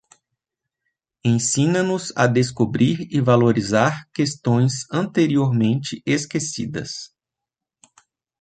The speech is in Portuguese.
Ensina-nos a descobrir e valorizar questões anteriormente esquecidas.